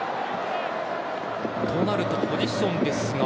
となるとポジションですが。